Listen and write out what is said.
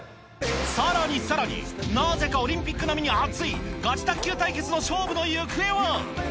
さらにさらに、なぜかオリンピック並みに熱い、ガチ卓球対決の勝負の行方は。